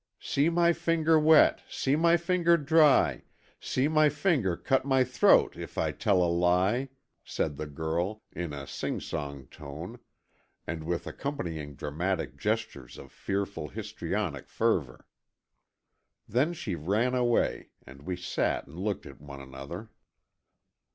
"See my finger wet, see my finger dry, see my finger cut my throat if I tell a lie," said the girl, in a singsong tone, and with accompanying dramatic gestures of fearful histrionic fervour. Then she ran away, and we sat and looked at one another.